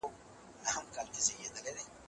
که انلاین مرسته وي نو پوهه نه کمیږي.